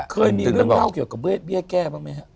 เคยมีเรื่องเหล้าเกี่ยวกับเบี้ยแก้บ้างมั้ยฮะ